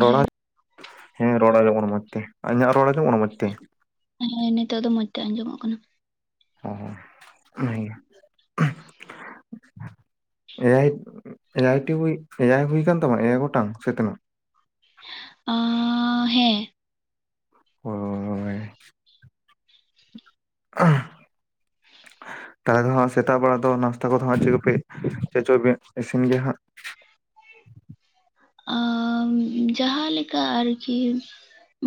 ᱨᱚᱲᱟ ᱦᱮᱸ ᱦᱮᱸ ᱨᱚᱲ ᱟᱡᱚᱢᱚᱜ ᱠᱟᱱᱟ ᱢᱚᱡ ᱛᱮ ᱤᱧᱟᱹᱜ ᱨᱚᱲ ᱟᱡᱚᱢᱚᱜ ᱠᱟᱱᱟ ᱢᱚᱡ ᱛᱮ ᱦᱮᱸ ᱱᱤᱛᱚᱜ ᱫᱚ ᱢᱚᱸᱡᱽ ᱛᱮ ᱟᱸᱡᱚᱢᱚᱜ ᱠᱟᱱᱟ᱾ ᱚ ᱵᱷᱟᱜᱮ ᱜᱮ ᱮᱭᱟᱭ ᱮᱭᱟᱭᱴᱤ ᱮᱭᱟᱭ ᱦᱩᱭ ᱠᱟᱱ ᱛᱟᱢᱟ ᱮᱭᱟᱭ ᱜᱚᱴᱟᱝ ᱥᱮ ᱛᱤᱱᱟᱹᱜ ᱚᱻᱦᱮᱸ ᱚ ᱦᱳᱭ [inaudible] ᱛᱟᱦᱞᱮ ᱫᱚ ᱦᱟᱸᱜ ᱥᱮᱛᱟᱜ ᱵᱮᱲᱟ ᱫᱚ ᱱᱟᱥᱛᱟ ᱠᱚᱫᱚ ᱦᱟᱸᱜ ᱪᱮᱫ ᱠᱚᱯᱮ ᱪᱮᱫ ᱪᱚ ᱤᱥᱤᱱ ᱜᱮᱭᱟ ᱦᱟᱸᱜ ᱟᱻᱡᱟᱦᱟᱸ ᱞᱮᱠᱟ ᱟᱨᱠᱤ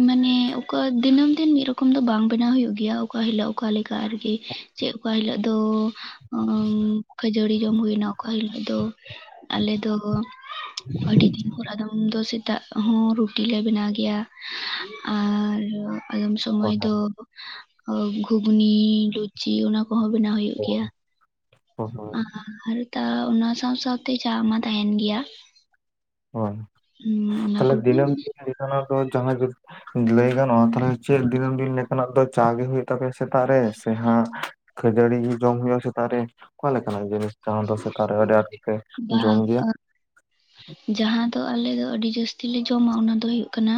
ᱢᱟᱱᱮ ᱚᱠᱟ ᱫᱤᱱᱟᱹᱢ ᱫᱤᱱ ᱢᱤᱫ ᱨᱚᱠᱚᱢ ᱫᱚ ᱵᱟᱝ ᱵᱮᱱᱟᱣ ᱦᱳᱭᱳᱜ ᱜᱮᱭᱟ ᱚᱠᱟ ᱦᱤᱞᱳᱜ ᱚᱠᱟ ᱞᱮᱠᱟ ᱟᱨᱠᱤ ᱪᱮᱫ ᱚᱠᱟ ᱦᱤᱞᱳᱜ ᱫᱚ ᱠᱷᱟᱹᱡᱟᱹᱲᱤ ᱡᱚᱢ ᱦᱩᱭᱱᱟ ᱚᱠᱟ ᱦᱤᱞᱳᱜ ᱫᱚ ᱟᱞᱮᱫᱚ ᱟᱹᱰᱤ ᱫᱤᱱ ᱯᱚᱨ ᱟᱫᱚ ᱫᱚ ᱥᱮᱛᱟᱜ ᱦᱚᱸ ᱨᱩᱴᱤᱞᱮ ᱵᱮᱱᱟᱣ ᱜᱮᱭᱟ ᱟᱨ ᱟᱫᱚᱢ ᱚ ᱥᱚᱢᱚᱭ ᱫᱚ ᱜᱷᱩᱜᱽᱱᱤ ᱞᱩᱪᱤ ᱚᱱᱟ ᱠᱚᱦᱚᱸ ᱵᱮᱱᱟᱣ ᱦᱩᱭᱩᱜ ᱜᱮᱭᱟ᱾ ᱦ ᱦᱚᱸ [unintelligible] ᱟᱨ ᱛᱟ ᱚᱱᱟ ᱥᱟᱶ ᱥᱟᱶᱛᱮ ᱪᱟ ᱢᱟ ᱛᱟᱦᱮᱱ ᱜᱮᱭᱟ᱾ ᱦᱳᱭ ᱦᱩᱸ ᱚᱱᱟ ᱛᱟᱦᱞᱮ ᱠᱚᱜᱮ ᱫᱤᱱᱟᱹᱢ ᱢᱟᱱᱮ ᱫᱤᱱ ᱫᱚ ᱡᱟᱦᱟᱸ ᱞᱟᱹᱭ ᱜᱟᱱᱚᱜᱼᱟ ᱛᱟᱦᱞᱮ ᱪᱮᱫ ᱫᱤᱱᱟᱹᱢ ᱫᱤᱱ ᱞᱮᱠᱟᱱᱟᱜ ᱫᱚ ᱪᱟ ᱜᱮ ᱦᱩᱭᱩᱜ ᱛᱟᱯᱮᱭᱟ ᱥᱮᱛᱟᱜ ᱨᱮ ᱥᱮ ᱦᱟᱸᱜ ᱠᱷᱟᱹᱡᱟᱹᱲᱤ ᱜᱮ ᱡᱚᱢ ᱦᱩᱭᱩᱜᱼᱟ ᱥᱮᱛᱟᱨ ᱨᱮ ᱚᱠᱟ ᱞᱮᱠᱟᱱᱟᱜ ᱡᱤᱱᱤᱥ ᱡᱟᱸᱦᱟ ᱫᱚ ᱥᱮᱛᱟᱜ ᱨᱮ ᱟᱹᱰᱤ ᱟᱸᱴ ᱜᱮᱯᱮ ᱡᱚᱢ ᱵᱟᱝ ᱜᱮᱭᱟ᱾ ᱟ, ᱡᱟᱦᱟᱸ ᱫᱚ ᱟᱞᱮ ᱫᱚ ᱟᱹᱰᱤ ᱡᱟᱹᱥᱛᱤ ᱞᱮ ᱡᱚᱢᱟ ᱚᱱᱟ ᱫᱚ ᱦᱩᱭᱩᱜ ᱠᱟᱱᱟ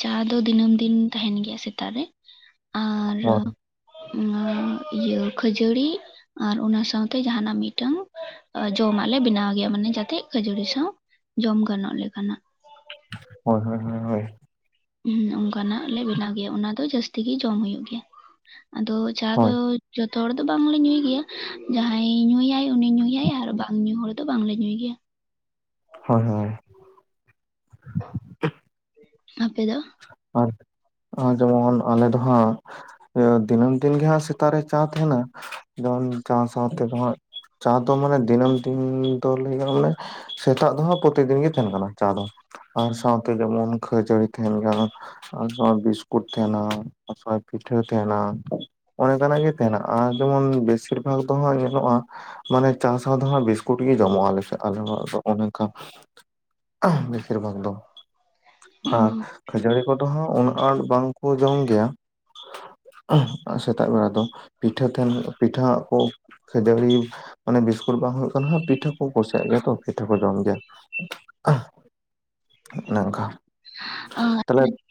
ᱪᱟ ᱫᱚ ᱫᱤᱱᱟᱹᱢ ᱫᱤᱱ ᱛᱟᱦᱮᱱ ᱜᱮᱭᱟ ᱥᱮᱛᱟᱜ ᱨᱮ ᱟᱨ ᱦᱳᱭ ᱟᱨ ᱤᱭᱟᱹ ᱠᱷᱟᱹᱡᱲᱤ ᱟᱨ ᱚᱱᱟ ᱥᱟᱶᱛᱮ ᱡᱟᱦᱟᱸᱱᱟᱜ ᱢᱤᱫᱴᱟᱝ ᱡᱚᱢᱟᱜ ᱞᱮ ᱵᱮᱱᱟᱣ ᱜᱮᱭᱟ ᱢᱟᱱᱮ ᱡᱟᱛᱮ ᱠᱷᱟᱹᱡᱟᱹᱲᱤ ᱥᱟᱶ ᱡᱚᱢ ᱜᱟᱱᱚᱜ ᱞᱮᱠᱟᱱᱟᱜ ᱦᱳᱭ ᱦᱳᱭ ᱦᱳᱭ ᱦᱳᱭ ᱦᱩ ᱚᱱᱠᱟᱱᱟᱜ ᱞᱮ ᱵᱮᱱᱟᱣ ᱜᱮᱭᱟ ᱚᱱᱟ ᱫᱚ ᱡᱟᱹᱥᱛᱤ ᱜᱮ ᱡᱚᱢ ᱦᱩᱭᱩᱜ ᱜᱮᱭᱟ ᱟᱫᱚ ᱪᱟ ᱫᱚ ᱡᱷᱚᱛᱚ ᱦᱚᱲ ᱫᱚ ᱵᱟᱝᱞᱮ ᱧᱩᱭ ᱜᱮᱭᱟ ᱡᱟᱦᱟᱸᱭ ᱧᱩᱭᱟᱭ ᱩᱱᱤ ᱧᱩᱭᱟᱭ ᱟᱨ ᱵᱟᱝ ᱧᱩ ᱦᱚᱲ ᱫᱚ ᱵᱟᱝᱞᱮ ᱧᱩᱭ ᱜᱮᱭᱟ᱾ ᱦᱳᱭ ᱦᱳᱭ ᱟᱯᱮ ᱫᱚ ᱟᱨ ᱡᱮᱢᱚᱱ ᱟᱞᱮ ᱫᱚ ᱦᱟᱸᱜ ᱫᱤᱱᱟᱹᱢ ᱫᱤᱱ ᱜᱮ ᱦᱟᱸᱜ ᱥᱮᱛᱟᱜ ᱨᱮ ᱪᱟ ᱛᱟᱦᱮᱱᱟ ᱡᱮᱢᱚᱱ ᱪᱟ ᱥᱟᱶᱛᱮ ᱫᱚ ᱦᱟᱸᱜ ᱪᱟᱸ ᱫᱚ ᱢᱟᱱᱮ ᱫᱤᱱᱟᱹᱢ ᱫᱤᱱ ᱫᱚ ᱞᱟᱹᱭ ᱜᱟᱱᱚᱜ-ᱟ ᱢᱟᱱᱮ ᱥᱮᱛᱟᱜ ᱫᱚ ᱦᱟᱸᱜ ᱯᱨᱚᱛᱤ ᱫᱤᱱ ᱜᱮ ᱛᱟᱦᱮᱱ ᱠᱟᱱᱟ ᱪᱟ ᱫᱚ ᱟᱨ ᱥᱟᱶᱛᱮ ᱡᱮᱢᱚᱱ ᱠᱷᱟᱹᱡᱟᱹᱲᱤ ᱛᱟᱡᱮᱱ ᱠᱟᱱᱟ ᱟᱨ ᱥᱟᱣᱛᱮ ᱠᱩ ᱛᱟᱦᱮᱱᱟ ᱚᱱᱟ ᱥᱟᱞᱟᱜ ᱯᱤᱴᱷᱟᱹ ᱛᱟᱦᱮᱱᱟ᱾ ᱚᱱᱮ ᱚᱱᱠᱟᱱᱟᱜ ᱜᱮ ᱛᱟᱦᱮᱱᱟ ᱟᱨ ᱡᱮᱢᱚᱱ ᱵᱮᱥᱤᱨ ᱵᱷᱟᱜᱽ ᱫᱚ ᱦᱟᱸᱜ ᱧᱮᱞᱚᱜᱼᱟ᱾ ᱢᱟᱱᱮ ᱪᱟ ᱥᱟᱸᱶ ᱫᱚ ᱦᱟᱸᱜ ᱵᱤᱥᱠᱩᱴ ᱜᱮ ᱡᱚᱢᱚᱜ ᱟᱞᱮ ᱥᱮᱫ ᱟᱞᱮ ᱚᱲᱟᱜ ᱨᱮ ᱫᱚ ᱚᱱᱮ ᱚᱝᱠᱟ᱾ ᱵᱮᱥᱤᱨ ᱵᱷᱟᱜᱽ ᱫᱚ ᱦᱮᱸᱻ ᱚ ᱠᱷᱟᱹᱡᱟᱹᱲᱤ ᱠᱚᱫᱚ ᱩᱱᱟᱹᱜ ᱟᱸᱴ ᱵᱟᱝᱠᱚ ᱡᱚᱢ ᱜᱮᱭᱟ ᱥᱮᱛᱟᱜ ᱵᱮᱲᱟ ᱫᱚ ᱯᱤᱴᱷᱟᱹ ᱛᱟᱦᱮᱱ ᱯᱤᱴᱷᱟᱹ ᱦᱟᱸᱜ ᱠᱚ ᱠᱷᱟᱹᱡᱟᱹᱲᱤ ᱢᱟᱱᱮ ᱵᱤᱥᱠᱩᱴ ᱵᱟᱝ ᱦᱩᱭᱩᱜ ᱠᱟᱱ ᱠᱷᱟᱱ ᱯᱤᱴᱷᱟᱹ ᱠᱚ ᱠᱩᱥᱤᱭᱟᱜ ᱜᱮᱭᱟ ᱛᱚ ᱯᱤᱴᱷᱟᱹ ᱠᱚ ᱡᱚᱢ ᱜᱮᱭᱟ ᱚᱱᱮ ᱚᱝᱠᱟ ᱚ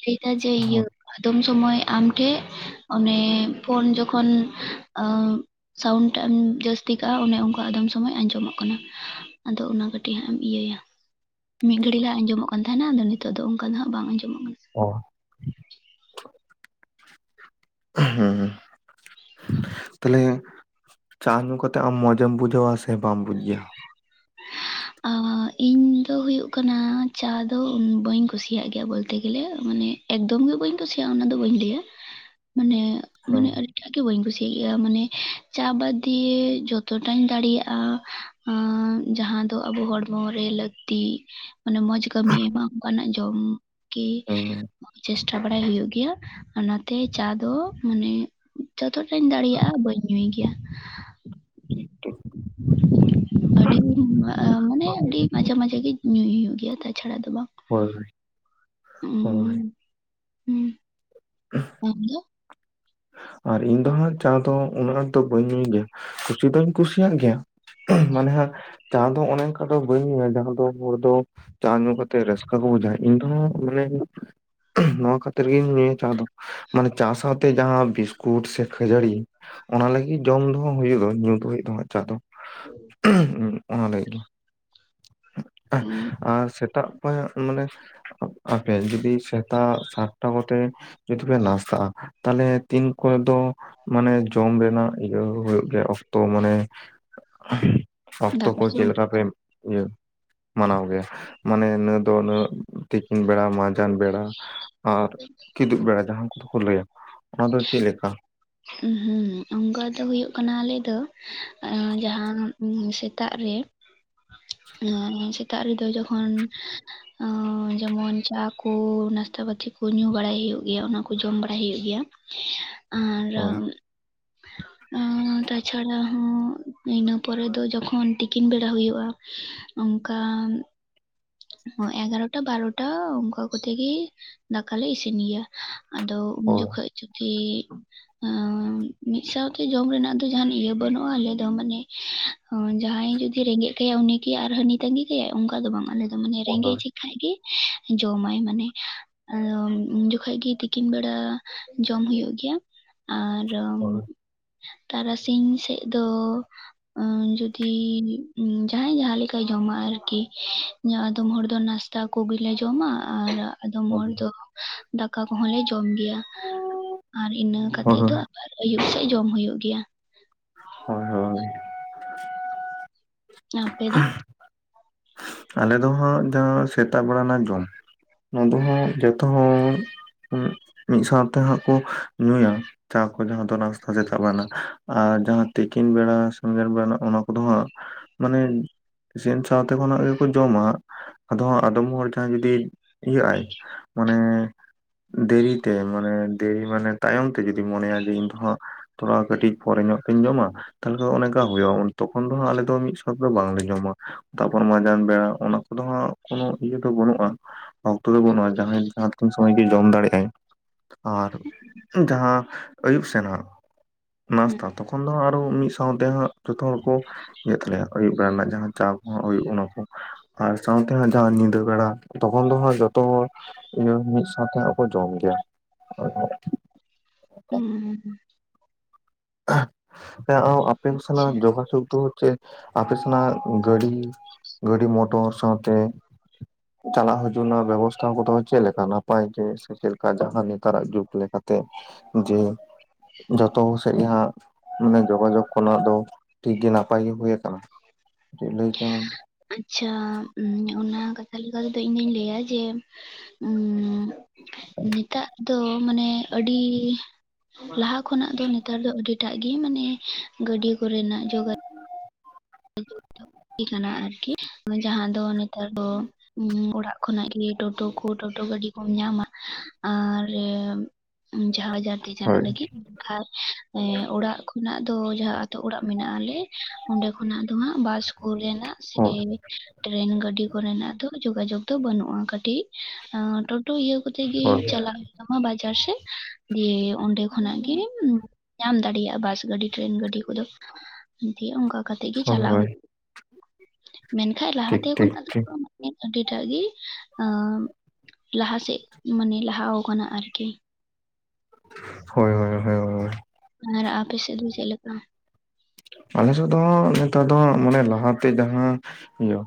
ᱞᱟᱹᱭ ᱫᱟ ᱡᱮ ᱤᱭᱟᱹ ᱟᱫᱚᱢ ᱥᱚᱢᱚᱭ ᱟᱢ ᱴᱷᱮᱡ ᱚᱱᱮ ᱯᱷᱳᱱ ᱡᱚᱠᱷᱚᱱ ᱥᱟᱣᱩᱱ ᱴᱟᱜ ᱮᱢ ᱡᱟᱹᱥᱛᱤ ᱠᱟᱜᱼᱟ ᱚᱱᱮ ᱚᱱᱠᱟ ᱟᱫᱚᱢ ᱥᱚᱢᱚᱭ ᱟᱸᱡᱚᱢᱚᱜ ᱠᱟᱱᱟ᱾ ᱟᱫᱚ ᱚᱱᱟ ᱠᱟᱹᱴᱤᱡ ᱦᱟᱸᱜ ᱮᱢ ᱤᱭᱟᱹᱭᱟ ᱢᱤᱫ ᱜᱷᱟᱹᱲᱤ ᱞᱟᱦᱟ ᱟᱸᱡᱚᱢᱚᱜ ᱠᱟᱱ ᱛᱟᱦᱮᱱᱟ ᱟᱫᱚ ᱱᱤᱛᱚᱜ ᱫᱚ ᱚᱱᱠᱟ ᱫᱚ ᱦᱟᱸᱜ ᱵᱟᱝ ᱟᱸᱡᱚᱢᱚᱜ ᱠᱟᱱᱟ᱾ ᱚ ᱦᱩᱸ ᱦᱩᱸ ᱛᱟᱦᱞᱮ ᱪᱟ ᱧᱩ ᱠᱟᱛᱮ ᱟᱢ ᱢᱚᱸᱡᱮᱢ ᱵᱩᱡᱷᱟᱹᱣᱟ ᱥᱮ ᱵᱟᱢ ᱵᱩᱡ ᱜᱮᱭᱟ᱾ [unintelligible] ᱤᱧ ᱫᱚ ᱦᱩᱭᱩᱜ ᱠᱟᱱᱟ ᱪᱟ ᱫᱚ ᱵᱟᱹᱧ ᱠᱩᱥᱤᱭᱟᱜ ᱜᱮᱭᱟ ᱵᱚᱞᱛᱮ ᱜᱮᱞᱮ ᱢᱟᱱᱮ ᱮᱠᱫᱚᱢ ᱜᱮ ᱵᱟᱹᱧ ᱠᱩᱥᱤᱭᱟᱜᱼᱟ ᱚᱱᱟ ᱫᱚ ᱵᱟᱹᱧ ᱞᱟᱹᱭᱟ ᱢᱟᱱᱮ ᱦᱮᱸ ᱢᱟᱱᱮ ᱟᱨ ᱜᱮ ᱵᱟᱹᱧ ᱠᱩᱥᱤᱭᱟᱜ ᱜᱮᱭᱟ ᱢᱟᱱᱮ ᱪᱟ ᱵᱟᱫ ᱫᱤᱭᱮ ᱡᱚᱛᱚᱴᱟᱧ ᱫᱟᱲᱮᱭᱟᱜᱼᱟ᱾ ᱡᱟᱦᱟᱸ ᱫᱚ ᱟᱵᱚ ᱦᱚᱲᱢᱚ ᱨᱮ ᱞᱟᱹᱠᱛᱤ ᱢᱟᱱᱮ ᱢᱚᱸᱡᱽ ᱠᱟᱹᱢᱤᱭ ᱮᱢᱟ ᱚᱱᱠᱟᱱᱟᱜ ᱡᱚᱢ ᱜᱮ ᱦᱮᱸ ᱪᱮᱥᱴᱟ ᱵᱟᱲᱟᱭ ᱦᱩᱭᱩᱜ ᱜᱮᱭᱟ ᱚᱱᱟᱛᱮ ᱪᱟ ᱫᱚ ᱢᱟᱱᱮ ᱡᱚᱛᱚᱴᱟᱧ ᱫᱟᱲᱮᱭᱟᱜ-ᱟ ᱵᱟᱹᱧ ᱧᱩᱭ ᱜᱮᱭᱟ ᱴᱷᱤᱠ ᱴᱷᱤᱠ ᱟᱰᱤᱢ ᱢᱟᱱᱮ ᱟᱹᱰᱤ ᱢᱟᱡᱷᱮ ᱢᱟᱡᱷᱮ ᱜᱮ ᱧᱩᱭ ᱦᱩᱭᱩᱜ ᱜᱮᱭᱟ ᱛᱟᱪᱷᱟᱲᱟ ᱫᱚ ᱵᱟᱝ ᱦᱳᱭ ᱦᱳᱭ ᱚᱸ ᱦᱮᱸ ᱟᱢ ᱫᱚ ᱟᱨ ᱤᱧ ᱫᱚ ᱦᱟᱸᱜ ᱪᱟ ᱫᱚ ᱩᱱᱟᱹᱜ ᱟᱸᱴ ᱫᱚ ᱵᱟᱹᱧ ᱧᱩᱭ ᱜᱮᱭᱟ ᱠᱩᱥᱤ ᱫᱚᱧ ᱠᱩᱥᱤᱭᱟᱜ ᱜᱮᱭᱟ ᱢᱟᱱᱮ ᱦᱟᱸᱜ ᱪᱟ ᱫᱚ ᱚᱱᱮ ᱚᱱᱠᱟ ᱫᱚ ᱵᱟᱹᱧ ᱧᱩᱭ ᱫᱟ ᱡᱟᱦᱟᱸ ᱫᱚ ᱦᱚᱲ ᱫᱚ ᱪᱟ ᱧᱩ ᱠᱟᱛᱮ ᱨᱟᱹᱥᱠᱟᱹ ᱠᱚ ᱵᱩᱡᱷᱟ ᱤᱧ ᱫᱚ ᱦᱟᱸᱜ ᱢᱟᱱᱮ ᱱᱚᱣᱟ ᱠᱷᱟᱹᱛᱤᱨ ᱜᱤᱧ ᱧᱩᱭᱟ ᱪᱟ ᱫᱚ ᱢᱟᱱᱮ ᱪᱟ ᱥᱟᱶᱛᱮ ᱡᱟᱦᱟᱸ ᱵᱤᱥᱠᱩ ᱩᱴ ᱥᱮ ᱠᱷᱟᱹᱡᱟᱹᱲᱤ ᱚᱱᱟ ᱞᱟᱹᱜᱤᱫ ᱡᱚᱢ ᱫᱚᱦ ᱦᱩᱭᱩᱜ ᱫᱚ ᱧᱩᱛ ᱫᱚ ᱦᱩᱭᱩᱜ ᱛᱟᱦᱚ ᱪᱟ ᱫᱚ ᱚᱱᱟ ᱞᱟᱹᱜᱤᱫ ᱜᱮ ᱩᱸ ᱟᱨ ᱥᱮᱛᱟᱜ ᱯᱟᱭᱟᱨ ᱢᱟᱱᱮ ᱟᱯᱮᱭᱟᱜ ᱡᱩᱫᱤ ᱥᱮᱛᱟᱜ ᱥᱟᱛᱴᱟ ᱠᱚᱛᱮ ᱡᱩᱫᱤ ᱯᱮ ᱱᱟᱥᱟᱜᱼᱟ ᱛᱟᱦᱞᱮ ᱛᱤᱱ ᱠᱚᱨᱮ ᱫᱚ ᱢᱟᱱᱮ ᱡᱚᱢ ᱨᱮᱱᱟᱜ ᱤᱭᱟᱹ ᱦᱩᱭᱩᱜ ᱜᱮᱭᱟ ᱚᱠᱛᱚ ᱢᱟᱱᱮ ᱚᱠᱛᱚ ᱫᱟᱠᱟ ᱠᱚ ᱪᱮᱫ ᱡᱚᱢ ᱞᱮᱠᱟ ᱯᱮ ᱤᱭᱟᱹ ᱢᱟᱱᱟᱣ ᱜᱮᱭᱟ ᱢᱟᱱᱮ ᱤᱱᱟᱹ ᱫᱚ ᱩᱱᱟᱹᱜ ᱛᱤᱠᱤᱱ ᱵᱮᱲᱟ ᱢᱟᱡ ᱡᱟᱱ ᱵᱮᱲᱟ ᱟᱨ ᱠᱤᱫᱩᱵ ᱵᱮᱲᱟ ᱡᱟᱦᱟᱸ ᱠᱚᱫᱚ ᱠᱚ ᱞᱟᱹᱭᱟ ᱚᱱᱟ ᱫᱚ ᱪᱮᱫ ᱞᱮᱠᱟ ᱦᱮᱸ ᱚᱱᱠᱟ ᱫᱚ ᱦᱩᱭᱩᱜ ᱠᱟᱱᱟ ᱟᱞᱮ ᱫᱚ ᱡᱟᱦᱟᱸ ᱥᱮᱛᱟᱜ ᱨᱮ ᱟᱨ ᱥᱮᱛᱟᱜ ᱨᱮᱫᱚ ᱡᱚᱠᱷᱚᱱ ᱡᱮᱢᱚᱱ ᱪᱟ ᱠᱚ ᱱᱟᱥᱛᱟ ᱠᱟᱛᱮᱫ ᱠᱚ ᱧᱩ ᱵᱟᱲᱟᱭ ᱦᱩᱭᱩᱜ ᱜᱮᱭᱟ ᱚᱱᱟᱠᱚ ᱡᱚᱢ ᱵᱟᱲᱟᱭ ᱦᱩᱭᱩᱜ ᱜᱮᱭᱟ᱾ ᱟᱨ ᱦᱳᱭ ᱮ ᱛᱟᱪᱷᱟᱲᱟ ᱦᱚᱸ ᱤᱱᱟᱹ ᱯᱚᱨᱮ ᱫᱚ ᱡᱚᱠᱷᱚᱱ ᱛᱤᱠᱤᱱ ᱵᱮᱲᱟ ᱦᱩᱭᱩᱜᱼᱟ ᱚᱱᱠᱟ ᱦᱳᱭ ᱮᱜᱟᱨᱚᱴᱟ ᱵᱟᱨᱚᱴᱟ ᱚᱱᱠᱟ ᱠᱚᱛᱮ ᱜᱮ ᱫᱟᱠᱟᱞᱮ ᱤᱥᱤᱱ ᱜᱮᱭᱟ ᱟᱫᱚ ᱩᱱ ᱦᱳᱭ ᱡᱚᱠᱷᱚᱡ ᱡᱩᱫᱤ ᱮ ᱢᱤᱫ ᱥᱟᱶᱛᱮ ᱡᱚᱢ ᱨᱮᱱᱟᱜ ᱫᱚ ᱡᱟᱦᱟᱱ ᱤᱭᱟᱹ ᱵᱟᱹᱱᱩᱜᱼᱟ ᱟᱞᱮ ᱫᱚ ᱢᱟᱱᱮ ᱡᱟᱦᱟᱸᱭ ᱡᱩᱫᱤ ᱨᱮᱜᱮᱡ ᱠᱟᱭᱟ ᱩᱱᱤ ᱠᱤ ᱟᱨ ᱦᱟᱹᱱᱤ ᱛᱟᱸᱜᱤ ᱠᱟᱭᱟᱭ ᱚᱱᱠᱟ ᱫᱚ ᱵᱟᱝ ᱟᱞᱮ ᱫᱚ ᱢᱟᱱᱮ ᱦᱳᱭ ᱨᱮᱸᱜᱮᱡ ᱠᱷᱟᱡ ᱜᱮ ᱡᱚᱢᱟᱭ ᱢᱟᱱᱮ ᱟᱫᱚ ᱩᱱ ᱡᱚᱠᱷᱚᱡ ᱜᱮ ᱛᱤᱠᱤᱱ ᱵᱮᱲᱟ ᱡᱚᱢ ᱦᱩᱭᱩᱜ ᱜᱮᱭᱟ᱾ ᱟᱨ ᱦᱳᱭ ᱛᱟᱨᱟᱥᱤᱧ ᱥᱮᱜ ᱫᱚ ᱮ ᱡᱩᱫᱤ ᱡᱟᱦᱟᱸᱭ ᱡᱟᱦᱟᱸ ᱞᱮᱠᱟᱭ ᱡᱚᱢᱟ ᱟᱨᱠᱤ ᱟᱫᱚᱢ ᱦᱚᱲ ᱫᱚ ᱱᱟᱥᱛᱟ ᱠᱚᱜᱮᱞᱮ ᱡᱚᱢᱟ ᱟᱨ ᱟᱫᱚᱢ ᱦᱳᱭ ᱦᱚᱲ ᱫᱚ ᱫᱟᱠᱟ ᱠᱚᱦᱚᱸ ᱞᱮ ᱡᱚᱢ ᱜᱮᱭᱟ ᱟᱨ ᱤᱱᱟᱹ ᱦᱳᱭ ᱠᱟᱛᱮᱜ ᱫᱚ ᱟᱨ ᱟᱭᱩᱵ ᱥᱮᱫ ᱡᱚᱢ ᱦᱩᱭᱩᱜ ᱜᱮᱭᱟ᱾ ᱦᱳᱭ ᱦᱳᱭ ᱟᱯᱮ ᱫᱚ ᱟᱞᱮ ᱫᱚ ᱦᱟᱸᱜ ᱡᱟᱦᱟᱸ ᱥᱮᱛᱟᱜ ᱵᱮᱲᱟ ᱨᱮᱱᱟᱜ ᱡᱚᱢ ᱚᱱᱟ ᱫᱚ ᱦᱟᱸᱜ ᱡᱷᱚᱛᱚ ᱦᱚᱲ ᱢᱤᱫ ᱥᱟᱶᱛᱮ ᱦᱟᱸᱜ ᱠᱚ ᱧᱩᱭᱟ᱾ ᱪᱟ ᱠᱚ ᱡᱟᱦᱟᱸ ᱫᱚ ᱱᱟᱥᱛᱟ ᱥᱮ ᱪᱟᱵᱱᱟ ᱟᱨ ᱡᱟᱦᱟᱸ ᱛᱤᱠᱤᱱ ᱵᱮᱲᱟ ᱥᱮᱸᱜᱮᱲ ᱵᱮᱲᱟ ᱚᱱᱟ ᱠᱚᱫᱚ ᱦᱟᱸᱜ ᱢᱟᱱᱮ ᱤᱥᱮᱱ ᱥᱟᱶᱛᱮ ᱠᱷᱚᱱᱟᱜ ᱜᱮ ᱠᱚ ᱡᱚᱢᱟ ᱟᱫᱚ ᱟᱫᱚᱢ ᱦᱚᱲ ᱡᱟᱦᱟᱸᱭ ᱡᱩᱫᱤ ᱤᱭᱟᱹᱜ ᱟᱭ ᱢᱟᱱᱮ ᱫᱮᱨᱤᱛᱮ ᱢᱟᱱᱮ ᱫᱮᱨᱤ ᱢᱟᱱᱮ ᱛᱟᱭᱚᱢ ᱛᱮ ᱡᱩᱫᱤ ᱢᱚᱱᱮᱭᱟᱭ ᱡᱮ ᱤᱧ ᱫᱚ ᱦᱟᱸᱜ ᱛᱷᱚᱲᱟ ᱠᱟᱹᱴᱤᱡ ᱯᱚᱨᱮ ᱧᱚᱜ ᱛᱤᱧ ᱡᱚᱢᱟ ᱛᱟᱦᱞᱮ ᱠᱷᱟᱡ ᱚᱱᱮᱠᱟ ᱦᱩᱭᱩᱜᱼᱟ ᱛᱚᱠᱷᱚᱱ ᱫᱚ ᱟᱞᱮ ᱫᱚ ᱢᱤᱫ ᱥᱟᱣᱛᱮ ᱫᱚ ᱵᱟᱝ ᱞᱮ ᱡᱚᱢᱟ᱾ ᱢᱟᱡᱟᱱ ᱵᱮᱲᱟ ᱚᱱᱟ ᱠᱚᱫᱚ ᱦᱟᱸᱜ ᱠᱳᱱᱳ ᱤᱭᱟᱹ ᱫᱚ ᱵᱟᱹᱱᱩᱜᱼᱟ᱾ ᱚᱠᱛᱚ ᱫᱚ ᱵᱟᱹᱱᱩᱜᱼᱟ ᱡᱟᱦᱟᱸᱭ ᱡᱟᱦᱟᱸ ᱛᱤᱱ ᱥᱚᱢᱚᱭ ᱜᱮᱭ ᱡᱚᱢ ᱫᱟᱲᱮᱭᱟᱜᱟᱭ ᱟᱨ ᱡᱟᱦᱟᱸ ᱟᱹᱭᱩᱵ ᱥᱮᱱᱟᱜ ᱦᱩᱸ ᱱᱟᱥᱛᱟ ᱛᱚᱠᱷᱚᱱ ᱩᱱ ᱫᱚ ᱟᱨᱚ ᱢᱤᱫ ᱥᱟᱶᱛᱮ ᱦᱟᱸᱜ ᱡᱷᱚᱛᱚ ᱦᱚᱲ ᱠᱚ ᱤᱭᱟᱹᱜ ᱛᱟᱞᱮᱭᱟ ᱟᱭᱩᱵ ᱵᱮᱲᱟ ᱨᱮᱱᱟᱜ ᱡᱟᱦᱟᱸ ᱪᱟ ᱠᱚ ᱚᱱᱟ ᱠᱚ ᱟᱨ ᱥᱟᱶᱛᱮ ᱦᱟᱸ ᱡᱟᱦᱟ ᱧᱤᱫᱟᱹ ᱵᱟᱲᱟ ᱛᱚᱠᱷᱚᱱ ᱫᱚ ᱦᱟᱸᱜ ᱡᱷᱚᱛᱚ ᱦᱚᱲ ᱢᱤᱫ ᱥᱟᱶᱛᱮ ᱠᱚ ᱡᱚᱢ ᱜᱮᱭᱟ᱾ ᱦᱩᱸ ᱦᱮᱸ ᱟᱯᱮ ᱥᱟᱞᱟᱜ ᱡᱳᱜᱟᱡᱳᱜ ᱫᱚ ᱦᱚᱪᱪᱮ ᱟᱯᱮ ᱥᱮᱱᱟᱜ ᱜᱟᱹᱰᱤ ᱜᱟᱹᱰᱤ ᱢᱚᱴᱚᱨ ᱥᱟᱶᱛᱮ ᱪᱟᱞᱟᱜ ᱦᱤᱡᱩᱜ ᱨᱮᱱᱟᱜ ᱵᱮᱵᱚᱥᱛᱷᱟ ᱠᱚᱫᱚ ᱪᱮᱫᱞᱮᱠᱟ ᱱᱟᱯᱟᱭ ᱜᱮ ᱥᱮ ᱪᱮᱫᱞᱮᱠᱟ ᱡᱟᱦᱟᱸ ᱱᱮᱛᱟᱨᱟᱜ ᱡᱩᱜᱽ ᱞᱮᱠᱟᱛᱮ᱾ ᱡᱮ ᱡᱷᱚᱛᱚ ᱦᱟᱸᱜ ᱢᱟᱱᱮ ᱡᱳᱜᱟᱡᱳᱜᱽ ᱠᱚᱨᱮᱱᱟᱜ ᱫᱚ ᱴᱷᱤᱠ ᱜᱮ ᱱᱟᱯᱟᱭ ᱜᱮ ᱦᱩᱭ ᱠᱟᱱᱟ᱾ ᱞᱟᱹᱭ ᱠᱮᱢᱟᱢ ᱟᱪᱪᱷᱟ ᱚᱱᱟ ᱠᱟᱛᱷᱟ ᱞᱮᱠᱟᱛᱮ ᱫᱚ ᱤᱧ ᱫᱩᱧ ᱞᱟᱹᱭᱟ ᱡᱮ ᱩᱸᱻ ᱱᱤᱛᱟᱨ ᱫᱚ ᱢᱟᱱᱮ ᱟᱹᱰᱤ ᱞᱟᱦᱟ ᱠᱷᱚᱱᱟᱜ ᱫᱚ ᱱᱮᱛᱟᱨ ᱫᱚ ᱟᱹᱰᱤᱴᱟᱜ ᱜᱮ ᱢᱟᱱᱮ ᱜᱟᱹᱰᱤ ᱠᱚᱨᱮᱱᱟᱜ ᱡᱚᱜᱟ ᱠᱟᱱᱟ ᱟᱨᱠᱤ ᱡᱟᱦᱟᱸ ᱫᱚ ᱱᱮᱛᱟᱨ ᱫᱚ ᱚᱲᱟᱜ ᱠᱷᱚᱱᱟᱜ ᱜᱮ ᱴᱳᱴᱳ ᱠᱚ ᱴᱳᱴᱳ ᱜᱟᱹᱰᱤ ᱠᱚᱢ ᱧᱟᱢᱟ ᱟᱨ ᱡᱟᱦᱟᱸ ᱡᱟᱦᱟᱛᱮ ᱪᱟᱞᱟᱜ ᱦᱳᱭ ᱞᱟᱹᱜᱤᱫ᱾ ᱟᱨ ᱚᱲᱟᱜ ᱠᱷᱚᱱᱟᱜ ᱫᱚ ᱡᱟᱦᱟᱸ ᱟᱛᱳ ᱚᱲᱟᱜ ᱢᱮᱱᱟᱜ ᱟᱞᱮ ᱚᱸᱰᱮ ᱚᱱᱟ ᱫᱚ ᱦᱟᱸᱜ ᱵᱟᱥ ᱠᱚᱨᱮᱱᱟᱜ ᱥᱮ ᱦᱳᱭ ᱴᱨᱮᱱ ᱜᱟᱹᱰᱤ ᱠᱚᱨᱮᱱᱟᱜ ᱫᱚ ᱡᱳᱜᱟᱡᱳᱜ ᱫᱚ ᱵᱟᱹᱱᱩᱜᱼᱟ ᱠᱟᱹᱴᱤᱡ ᱴᱳᱴᱳ ᱤᱭᱟᱹ ᱦᱳᱭ ᱠᱚᱛᱮᱜᱤ ᱪᱟᱞᱟᱜ ᱟᱢᱟ ᱵᱟᱡᱟᱨ ᱥᱮᱜ ᱜᱮ ᱚᱸᱰᱮ ᱠᱷᱚᱱᱟᱜ ᱜᱮ ᱧᱟᱢ ᱫᱟᱲᱮᱭᱟᱜᱼᱟ ᱵᱟᱥ ᱜᱟᱹᱰᱤ ᱴᱮᱨᱮᱹᱱ ᱜᱟᱹᱰᱤ ᱠᱚᱫᱚ ᱫᱤᱭᱮ ᱚᱱᱠᱟ ᱠᱟᱛᱮᱜ ᱜᱮ ᱦᱳᱭ ᱪᱟᱞᱟᱣ ᱦᱳᱭ ᱦᱩᱭᱩᱜᱼᱟ ᱢᱮᱱᱠᱷᱟᱱ ᱴᱷᱤᱠ ᱞᱟᱦᱟᱛᱮ ᱴᱷᱤᱠ ᱠᱷᱚᱱᱟᱜ ᱴᱷᱤᱠ ᱫᱚ ᱢᱤᱫ ᱟᱹᱰᱤᱴᱟᱜ ᱜᱮ ᱟ ᱞᱟᱦᱟ ᱥᱮᱫ ᱢᱟᱱᱮ ᱞᱟᱦᱟ ᱟᱠᱟᱱᱟ ᱟᱨᱠᱤ ᱦᱳᱭ ᱦᱳᱭ ᱦᱳᱭ ᱦᱳᱭ ᱟᱨ ᱟᱯᱮᱥᱮᱪ ᱫᱚ ᱪᱮᱫ ᱞᱮᱠᱟ? ᱟᱞᱮᱥᱮᱫ ᱫᱚ ᱦᱟᱜ ᱱᱮᱛᱟᱨ ᱫᱚ ᱢᱟᱱᱮ ᱞᱟᱦᱟ ᱛᱮ ᱡᱟᱦᱟᱸ ᱤᱭᱟᱹ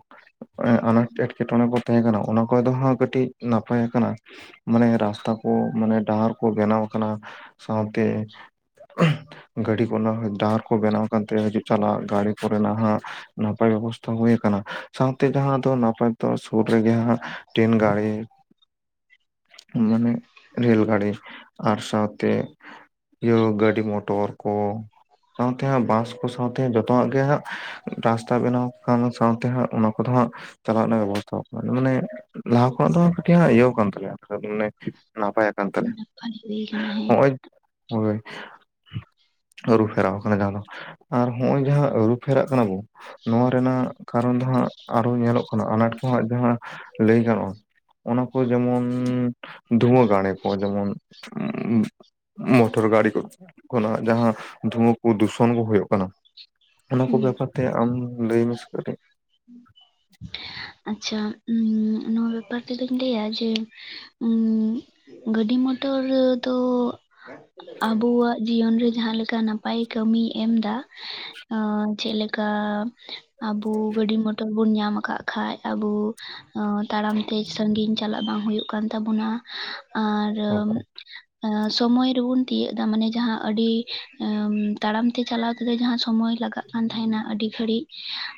ᱟᱱᱟᱴ ᱮᱸᱴᱠᱮ ᱴᱚᱬᱮ ᱠᱚ ᱛᱟᱦᱮᱸ ᱠᱟᱱᱟ ᱚᱱᱟ ᱠᱚᱫᱚ ᱠᱟᱹᱴᱤᱡ ᱱᱟᱯᱟᱭ ᱟᱠᱟᱱᱟ ᱢᱟᱱᱮ ᱨᱟᱥᱛᱟ ᱠᱚ ᱢᱟᱱᱮ ᱰᱟᱦᱟᱨ ᱠᱚ ᱵᱮᱱᱟᱣ ᱟᱠᱟᱱᱟ ᱥᱟᱶᱛᱮ ᱜᱟᱹᱰᱤ ᱠᱚᱨᱮᱱᱟᱜ ᱰᱟᱦᱟᱨ ᱠᱚ ᱵᱮᱱᱟᱣ ᱟᱠᱟᱱᱛᱮ ᱦᱤᱡᱩᱜ ᱪᱟᱞᱟᱜ ᱫᱟᱨᱤ ᱠᱚᱨᱮᱱᱟᱜ ᱦᱟᱸᱜ ᱱᱟᱯᱟᱭ ᱵᱮᱵᱚᱥᱛᱷᱟ ᱦᱩᱭ ᱟᱠᱟᱱᱟ ᱥᱟᱶᱛᱮ ᱡᱟᱦᱟᱸ ᱫᱚ ᱱᱟᱯᱟᱭ ᱫᱚ ᱥᱩᱨ ᱨᱮᱜᱮ ᱦᱟᱸᱜ ᱴᱨᱮᱱ ᱜᱟᱲᱤ [inaudible] ᱢᱟᱱᱮ ᱨᱮᱹᱞ ᱜᱟᱹᱲᱤ ᱟᱨ ᱥᱟᱶᱛᱮ ᱤᱭᱟᱹ ᱜᱟᱹᱰᱤ ᱢᱚᱴᱚᱨ ᱠᱚ ᱥᱟᱶᱛᱮ ᱦᱟᱜ ᱵᱟᱥ ᱠᱚ ᱥᱟᱶᱛᱮ ᱡᱚᱛᱚᱣᱟᱜ ᱜᱮ ᱦᱟᱸᱜ ᱨᱟᱥᱛᱟ ᱵᱮᱱᱟᱣ ᱠᱟᱢᱤ ᱥᱟᱶᱛᱮ ᱦᱟᱸᱜ ᱚᱱᱟ ᱠᱚᱫᱚ ᱦᱟᱸᱜ ᱪᱟᱞᱟᱜ ᱱᱟᱦᱟᱜ ᱵᱚᱛᱚᱨᱚᱜ ᱠᱟᱱᱟ ᱢᱟᱱᱮ ᱞᱟᱦᱟ ᱠᱷᱚᱱᱟᱜ ᱫᱚ ᱠᱟᱹᱴᱤᱡ ᱤᱭᱟᱹ ᱠᱟᱱ ᱛᱟᱞᱮᱭᱟ ᱢᱟᱱᱮ ᱱᱟᱯᱟᱭ ᱠᱟᱱ ᱛᱟᱞᱮᱭᱟ ᱱᱟᱯᱟᱭ ᱦᱩᱭ ᱠᱟᱱᱟ ᱦᱮᱸ ᱱᱚᱜ-ᱚᱭ ᱦᱳᱭ ᱟᱹᱨᱩ ᱯᱷᱮᱨᱟᱣ ᱠᱟᱱᱟ ᱡᱟᱦᱟᱸ ᱟᱨ ᱦᱚᱜ ᱚᱭ ᱡᱟᱦᱟᱸ ᱟᱹᱨᱩᱯᱷᱮᱨᱟᱜ ᱠᱟᱱᱟ ᱵᱚᱱ ᱱᱚᱣᱟ ᱨᱮᱱᱟᱜ ᱠᱟᱨᱚᱱ ᱫᱚ ᱦᱟᱜ ᱟᱨᱚ ᱧᱮᱞᱚᱜ ᱠᱟᱱᱟ ᱟᱱᱟᱴ ᱠᱚᱦᱚ ᱡᱟᱦᱟᱸ ᱞᱟᱹᱭ ᱜᱟᱱᱚᱜ-ᱟ᱾ ᱚᱱᱟ ᱠᱚ ᱡᱮᱢᱚᱱ ᱫᱷᱩᱣᱟᱹ ᱜᱟᱲᱮ ᱠᱚ ᱡᱮᱢᱚᱱ ᱩᱸ ᱢᱚᱴᱚᱨ ᱜᱟᱲᱤ ᱠᱚ ᱱᱟᱦᱟᱜ ᱡᱟᱦᱟᱸ ᱫᱷᱩᱣᱟᱹ ᱠᱚ ᱫᱩᱥᱚᱱ ᱠᱚ ᱦᱩᱭᱩᱜ᱾ ᱚᱱᱟ ᱠᱚ ᱦᱮᱸ ᱵᱮᱯᱟᱨ ᱛᱮ ᱟᱢ ᱞᱟᱹᱭ ᱢᱮ ᱥᱮ ᱠᱟᱹᱴᱤᱡ ᱟᱪᱪᱷᱟ ᱩᱸ ᱱᱚᱣᱟ ᱵᱮᱯᱟᱨ ᱛᱮᱫᱚᱧ ᱞᱟᱹᱭᱟ ᱡᱮ ᱩᱸ ᱜᱟᱹᱰᱤ ᱢᱚᱴᱚᱨ ᱫᱚᱻᱻ ᱟᱵᱚᱣᱟᱜ ᱡᱤᱭᱚᱱ ᱨᱮ ᱡᱟᱦᱟᱸ ᱞᱮᱠᱟ ᱱᱟᱯᱟᱭ ᱠᱟᱹᱢᱤᱭ ᱮᱢᱫᱟ᱾ ᱟᱨ ᱪᱮᱫ ᱞᱮᱠᱟ? ᱟᱵᱚ ᱜᱟᱹᱰᱤ ᱢᱚᱴᱚᱨ ᱵᱩᱱ ᱧᱟᱢ ᱟᱠᱟᱫ ᱠᱷᱟᱡ ᱟᱵᱚ ᱟᱸ ᱛᱟᱲᱟᱢ ᱛᱮ ᱥᱟᱺᱜᱤᱧ ᱪᱟᱞᱟᱜ ᱵᱟᱝ ᱦᱩᱭᱩᱜ᱾ ᱠᱟᱱ ᱛᱟᱵᱚᱱᱟ ᱟᱨ ᱥᱚᱢᱚᱭ ᱨᱮᱵᱚᱱ ᱛᱤᱭᱟᱹᱜ ᱫᱟ ᱢᱟᱱᱮ ᱡᱟᱦᱟᱸ ᱟᱹᱰᱤ ᱮᱢ ᱛᱟᱲᱟᱢ ᱛᱮ ᱪᱟᱞᱟᱣ ᱛᱮ ᱫᱚ ᱡᱟᱦᱟᱸ ᱥᱳᱚᱢᱚᱭ ᱞᱟᱜᱟᱜ ᱠᱟᱱ ᱛᱟᱦᱮᱱᱟ ᱟᱹᱰᱤ ᱜᱷᱟᱹᱲᱤᱡ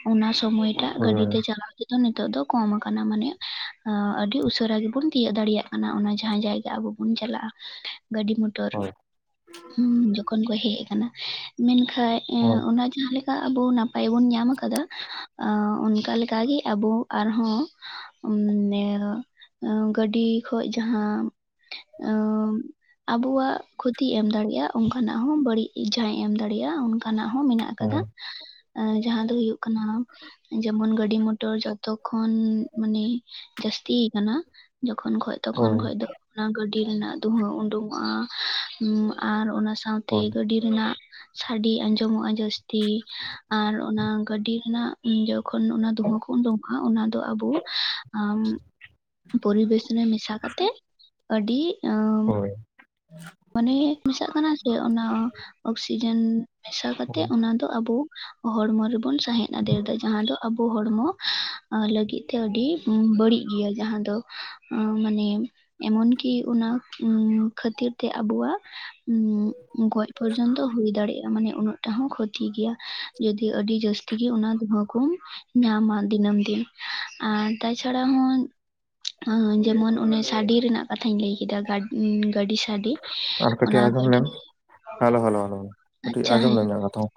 ᱚᱱᱟ ᱥᱚᱢᱚᱭᱴᱟᱜ ᱜᱟᱹᱰᱤ ᱦᱳᱭ ᱛᱮ ᱪᱟᱞᱟᱜ ᱱᱤᱛᱚᱜ ᱫᱚ ᱠᱚᱢ ᱟᱠᱟᱱᱟ ᱢᱟᱱᱮ ᱟᱹᱰᱤ ᱩᱥᱟᱹᱨᱟ ᱜᱮᱵᱚᱱ ᱛᱤᱭᱟᱹᱜ ᱫᱟᱲᱮᱭᱟᱜ ᱠᱟᱱᱟ ᱚᱱᱟ ᱡᱟᱦᱟᱸ ᱡᱟᱭᱜᱟ ᱾ ᱪᱟᱞᱟᱜ-ᱟ᱾ ᱜᱟᱹᱰᱤ ᱢᱚᱴᱚᱨ ᱦᱳᱭ ᱦᱩᱸ ᱡᱚᱠᱷᱚᱱ ᱠᱚ ᱦᱮᱡ ᱟᱠᱟᱱᱟ ᱢᱮᱱᱠᱷᱟᱡ ᱮᱸ ᱦᱳᱭ ᱚᱱᱟ ᱡᱟᱦᱟᱸ ᱞᱮᱠᱟ ᱟᱵᱚ ᱱᱟᱯᱟᱭ ᱵᱚᱱ ᱧᱟᱢ ᱠᱟᱫᱟ᱾ ᱟᱸ ᱚᱱᱠᱟ ᱞᱮᱠᱟ ᱜᱮ ᱟᱵᱚ ᱟᱨᱦᱚᱸ ᱱᱮᱸᱣ ᱜᱟᱹᱰᱤ ᱠᱷᱚᱡ ᱡᱟᱦᱟᱸ ᱚᱢ ᱟᱵᱚᱣᱟᱜ ᱠᱷᱚᱛᱤᱭ ᱮᱢ ᱫᱟᱲᱮᱭᱟᱜ-ᱟ ᱚᱱᱠᱟᱱᱟᱜ ᱦᱚᱸ ᱵᱟᱹᱲᱤᱡ ᱡᱟᱦᱟᱸᱭ ᱮᱢ ᱫᱟᱲᱮᱭᱟᱜ-ᱟ ᱚᱱᱠᱟᱱᱟᱜ ᱦᱚᱸ ᱢᱮᱱᱟᱜ ᱦᱳᱭ ᱠᱟᱫᱟ ᱡᱟᱦᱟᱸ ᱫᱚ ᱦᱩᱭᱩᱜ ᱠᱟᱱᱟ ᱡᱮᱢᱚᱱ ᱜᱟᱹᱰᱤ ᱢᱚᱴᱚᱨ ᱡᱚᱛ ᱛᱚᱠᱷᱚᱱ ᱢᱟᱱᱮ ᱡᱟᱹᱟᱥᱛᱤ ᱟᱠᱟᱱᱟ ᱡᱚᱠᱷᱚᱱ ᱠᱷᱚᱡ ᱦᱳᱭ ᱛᱚᱠᱷᱚᱡ ᱫᱚ ᱚᱱᱟ ᱜᱟᱹᱰᱤ ᱨᱮᱱᱟᱜ ᱫᱩᱦᱟᱹ ᱩᱰᱩᱝᱚᱜ-ᱟ᱾ ᱦᱩᱸ ᱟᱨ ᱚᱱᱟ ᱥᱟᱶᱛᱮ ᱦᱳᱭ ᱜᱟᱺᱰᱤ ᱨᱮᱱᱟᱜ, ᱥᱟᱺᱰᱤ ᱟᱸᱡᱚᱢᱚᱜᱼᱟ ᱡᱟᱹᱥᱛᱤ ᱟᱨ ᱚᱱᱟ ᱜᱟᱺᱰᱤ ᱨᱮᱱᱟᱜ, ᱡᱚᱠᱷᱚᱱ ᱚᱱᱟ ᱫᱩᱸᱦᱟᱹ ᱠᱚ ᱩᱰᱩᱠᱟᱜᱼᱟ ᱚᱱᱟ ᱫᱚ ᱟᱵᱚ ᱟᱢ ᱯᱚᱨᱤᱵᱮᱥ ᱨᱮ ᱢᱮᱥᱟ ᱠᱟᱛᱮᱫ ᱟᱹᱰᱤ, ᱟᱸ ᱦᱳᱭ ᱢᱟᱱᱮ ᱢᱮᱥᱟᱜ ᱠᱟᱱᱟ ᱥᱮ ᱚᱱᱟ ᱚᱠᱥᱤᱡᱮᱱ ᱢᱮᱥᱟ ᱠᱟᱛᱮᱜ ᱦᱳᱭ ᱚᱱᱟ ᱫᱚ ᱟᱵᱚ, ᱦᱚᱲᱢᱚ ᱨᱮᱵᱚᱱ ᱥᱟᱸᱦᱮᱸᱫ ᱟᱫᱮᱨ ᱫᱟ ᱡᱟᱦᱟᱸ ᱫᱚ ᱟᱵᱚ ᱦᱚᱲᱢᱚ ᱞᱟᱹᱜᱤᱫ ᱛᱮ ᱟᱹᱰᱤ ᱵᱟᱹᱲᱤᱡ ᱜᱮᱭᱟ ᱡᱟᱦᱟᱸ ᱫᱚ ᱟᱸ ᱢᱟᱱᱮ, ᱮᱢᱚᱱ ᱠᱤ ᱚᱱᱟ ᱩᱸ ᱠᱷᱟᱹᱛᱤᱨ, ᱛᱮ ᱟᱵᱚᱣᱟᱜ ᱩᱸ ᱜᱚᱡ ᱯᱚᱨᱡᱚᱱᱛᱚ ᱦᱩᱭ ᱫᱟᱲᱮᱭᱟᱜ-ᱟ ᱢᱟᱱᱮ ᱩᱱᱟᱹᱜ ᱴᱟ ᱦᱚᱸ ᱠᱷᱚᱛᱤ ᱜᱮᱭᱟ ᱡᱩᱫᱤ ᱟᱹᱰᱤ ᱡᱟᱹᱥᱛᱤ ᱜᱮ ᱚᱱᱟ ᱫᱷᱩᱣᱟ. ᱠᱚ, ᱧᱟᱢᱟ ᱫᱤᱱᱟᱹᱢ ᱫᱤᱱ ᱟᱨ ᱛᱟᱪᱷᱟᱲᱟ ᱦᱚᱸ ᱟ ᱡᱮᱢᱚᱱ ᱚᱱᱮ ᱥᱟᱰᱮ ᱨᱮᱱᱟᱜ ᱠᱟᱛᱷᱟᱧ ᱞᱟᱹᱭ ᱠᱮᱫᱟ ᱜᱟᱺᱰᱤ ᱥᱟᱰᱮ, ᱟᱨ ᱠᱟᱹᱴᱤᱡ ᱚᱱᱟ ᱟᱸᱡᱚᱢ ᱜᱟᱺᱰᱤ ᱞᱮᱢ ᱨᱚᱲ ᱵᱟᱝ ᱟᱸᱡᱚᱢ ᱟᱪᱪᱷᱟ ᱦᱮᱸ᱾ ᱚᱱᱟ ᱛᱮᱦᱚᱸ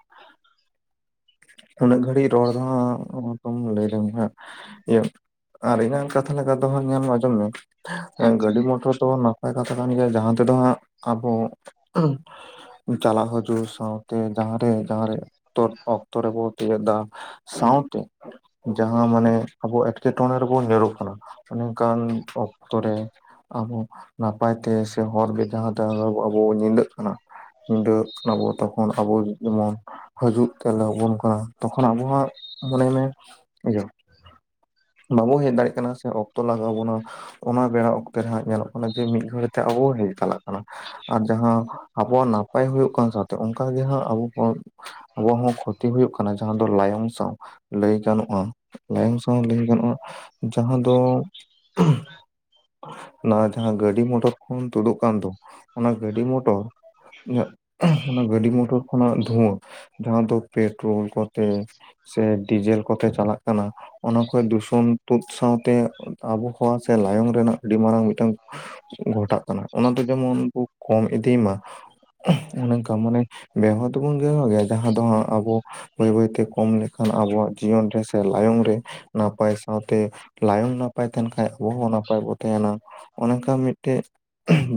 ᱩᱱᱟᱹᱜ ᱜᱷᱟᱹᱲᱤᱡ ᱨᱚᱲ ᱫᱚ ᱦᱟᱜ ᱞᱟᱹᱭ ᱞᱮᱢ ᱦᱟᱸᱜ ᱤᱭᱟᱹ ᱟᱨ ᱤᱧᱟᱝ ᱠᱟᱛᱷᱟ ᱞᱮᱠᱟ ᱫᱚ ᱦᱟᱜ ᱧᱮᱞ ᱢᱮ ᱟᱸᱡᱚᱢ ᱢᱮ ᱟᱪᱪᱷᱟ ᱜᱟᱺᱰᱤ ᱢᱚᱴᱚᱨ ᱫᱚ ᱱᱚ ᱱᱟᱯᱟᱭ ᱠᱟᱛᱷᱟ ᱠᱟᱱ ᱜᱮᱭᱟ ᱡᱟᱦᱟᱸ ᱛᱮᱫᱚ ᱦᱟᱸᱜ ᱟᱵᱚ ᱪᱟᱞᱟᱜ ᱦᱤᱡᱩᱜ ᱥᱟᱶᱛᱮ ᱡᱟᱸᱦᱟ ᱨᱮ ᱡᱟᱸᱦᱟ ᱨᱮ ᱛᱚᱨ ᱚᱠᱛᱚ ᱨᱮᱵᱚ ᱛᱤᱭᱳᱜ ᱫᱟ ᱥᱟᱶᱛᱮ ᱡᱟᱦᱟᱸ ᱢᱟᱱᱮ ᱟᱵᱚ ᱮᱸᱴᱠᱮᱴᱚᱬᱮ ᱨᱮᱵᱚᱱ ᱧᱩᱨᱚᱜ ᱠᱟᱱᱟ ᱚᱱᱮ ᱚᱱᱠᱟᱱ ᱚᱠᱛᱚ ᱨᱮ ᱟᱵᱚ ᱱᱟᱯᱟᱭᱛᱮ ᱥᱮ ᱦᱚᱨ ᱵᱤᱨ ᱡᱟᱦᱟᱸ ᱛᱮ ᱟᱵᱚ ᱧᱤᱫᱟᱹᱜ ᱠᱟᱱᱟ᱾ ᱧᱤᱫᱟᱹᱜ ᱠᱟᱱᱟ ᱵᱚ ᱛᱚᱠᱷᱚᱱ ᱟᱵᱚ ᱡᱮᱢᱚᱱ ᱦᱟᱡᱩᱜ, ᱛᱮᱞᱟ ᱟᱵᱚᱱ ᱠᱟᱱᱟ ᱛᱚᱠᱷᱚᱱ ᱟᱵᱚ ᱦᱟᱜ ᱢᱚᱱᱮ ᱢᱮ ᱤᱭᱟ. ᱵᱟᱵᱚ ᱦᱮᱡ ᱫᱟᱲᱮᱜ ᱠᱟᱱᱟ ᱥᱮ ᱚᱠᱛᱚ ᱞᱟᱜᱟᱣ ᱵᱚᱱᱟ᱾ ᱚᱱᱟ ᱵᱮᱲᱟ ᱚᱠᱛᱮ ᱨᱮ ᱦᱟᱸᱜ ᱧᱮᱞᱚᱜ ᱠᱟᱱᱟ ᱡᱮ ᱢᱤᱫ ᱜᱷᱟᱹᱲᱤᱡ ᱛᱮ ᱟᱵᱚ ᱜᱮ ᱪᱟᱞᱟᱜ ᱠᱟᱱᱟ᱾ ᱟᱨ ᱡᱟᱦᱟᱸ ᱟᱵᱚᱣᱟᱜ ᱱᱟᱯᱟᱭ ᱦᱩᱭᱩᱜ ᱠᱟᱱ ᱥᱟᱶᱛᱮ ᱚᱱᱠᱟᱜᱮ ᱦᱟᱸᱜ ᱟᱵᱚ ᱠᱚ ᱟᱵᱚ ᱦᱚᱸ ᱠᱷᱚᱛᱤ ᱦᱩ ᱦᱩᱭᱩᱜ ᱠᱟᱱᱟ ᱡᱟᱦᱟᱸ ᱫᱚ ᱞᱟᱭᱚᱝ ᱥᱟᱶ ᱞᱟᱹᱭ ᱜᱟᱱᱚᱜᱼᱟ ᱞᱟᱭᱚᱝ ᱥᱟᱶ ᱞᱟᱹᱭ ᱜᱟᱱᱚᱜᱼᱟ ᱡᱟᱦᱟᱸ ᱫᱚ, [inaudible] ᱚᱱᱟ ᱡᱟᱦᱟᱸ ᱜᱟᱺᱰᱤ ᱢᱚᱴᱚᱨ ᱠᱷᱚᱱ ᱛᱩᱫᱩᱜ ᱠᱟᱱ ᱫᱚ ᱚᱱᱟ ᱜᱟᱺᱰᱤ ᱢᱚᱴᱚᱨ, ᱚᱱᱟ ᱜᱟᱹᱰᱤ ᱢᱚᱴᱚᱨ ᱠᱷᱚᱱᱟᱜ ᱫᱷᱩᱣᱟᱹ ᱡᱟᱦᱟᱸ ᱫᱚ ᱯᱮᱴᱨᱳᱞ ᱠᱚᱛᱮ ᱥᱮ ᱰᱤᱡᱮᱞ ᱠᱚᱛᱮ ᱪᱟᱞᱟᱜ ᱠᱟᱱᱟ᱾ ᱚᱱᱟ ᱠᱚ ᱫᱩᱥᱚᱱ ᱛᱩᱫ ᱥᱟᱶᱛᱮ ᱟᱵᱚᱦᱟᱣᱟ ᱥᱮ ᱞᱟᱭᱚᱝ ᱨᱮᱱᱟᱜ ᱟᱹᱰᱤ ᱢᱟᱨᱟᱝ ᱢᱤᱫᱴᱟᱝ ᱜᱷᱚᱴᱟᱜ ᱠᱟᱱᱟ ᱚᱱᱟ ᱫᱚ ᱡᱮᱢᱚᱱ ᱠᱚ ᱠᱚᱢ ᱤᱫᱤ ᱢᱟ᱾ [unintelligible] ᱚᱱᱝᱠᱟ ᱢᱟᱱᱮ ᱵᱮᱣᱦᱟᱨ ᱫᱚᱵᱚᱱ ᱵᱮᱣᱦᱟᱨ ᱜᱮᱭᱟ ᱡᱟᱦᱟᱸ ᱫᱚ ᱦᱟᱸᱜ ᱟᱵᱚ ᱵᱟᱹᱭ ᱵᱟᱹᱭᱛᱮ ᱠᱚᱢ ᱞᱮᱠᱷᱟᱱ ᱟᱵᱚᱣᱟᱜ ᱡᱤᱭᱚᱱ ᱨᱮ ᱥᱮ ᱞᱟᱭᱚᱝ ᱨᱮ, ᱱᱟᱯᱟᱭ ᱥᱟᱶᱛᱮ ᱞᱟᱭᱚᱝ ᱱᱟᱯᱟᱭ ᱛᱟᱦᱮᱱ ᱠᱷᱟᱡ ᱟᱵᱚ ᱦᱚᱸ ᱱᱟᱯᱟᱭ ᱵᱚᱱ ᱛᱟᱦᱮᱱᱟ᱾ ᱚᱱᱮ ᱚᱱᱠᱟ ᱢᱤᱫᱴᱮᱡ [unintelligible]